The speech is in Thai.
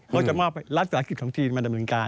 ก็จะมอบรัฐศาสตร์กิจของจีนมาดำเนินการ